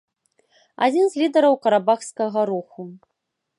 Адзін з лідараў карабахскага руху.